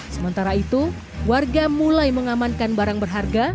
sementara itu warga mulai mengamankan barang berharga